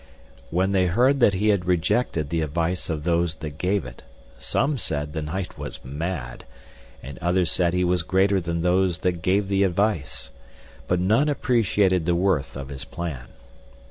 When they heard that he had rejected the advice of those that gave it, some said that the knight was mad, and others said he was greater than those what gave the advice, but none appreciated the worth of his plan.